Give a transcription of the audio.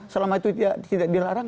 selama itu tidak dilarang